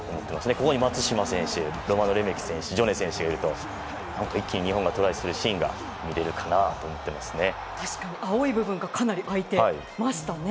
ここに松島選手やロマノレメキ選手日本が一気にトライできるシーンが確かに青い部分がかなり空いてましたね。